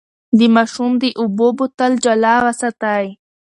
د ماشوم د اوبو بوتل جلا وساتئ.